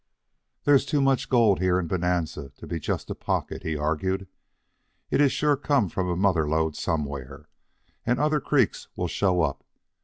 "There's too much gold here in Bonanza to be just a pocket," he argued. "It's sure come from a mother lode somewhere, and other creeks will show up.